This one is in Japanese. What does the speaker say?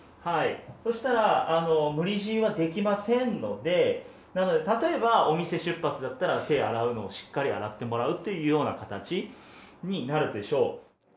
そしたら、無理強いはできませんので、なので、例えば、お店出発だったら手を洗うのをしっかり洗ってもらうというような形になるでしょう。